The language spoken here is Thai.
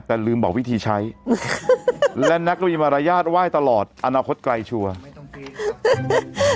แต่ลืมบอกวิธีใช้แล้วมีมารยาทไหว้ตลอดอนาคตไกลไม่ต้องบี